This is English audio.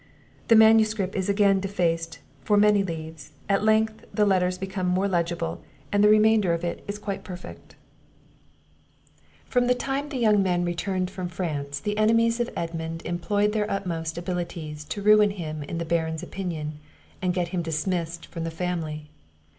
[The manuscript is again defaced for many leaves; at length the letters become more legible, and the remainder of it is quite perfect.] From the time the young men returned from France, the enemies of Edmund employed their utmost abilities to ruin him in the Baron's opinion, and get him dismissed from the family.